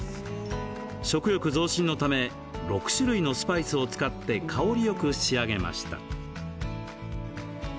食欲増進のため６種類のスパイスを使って香りよく仕上げました。